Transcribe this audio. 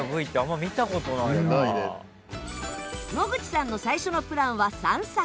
野口さんの最初のプランは散策。